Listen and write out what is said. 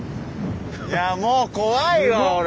いやもう怖いわ俺。